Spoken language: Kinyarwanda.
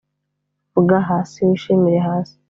vuga hasi, wishimire hasi